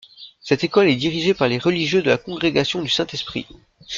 Cette école est dirigée par les religieux de la congrégation du Saint-Esprit.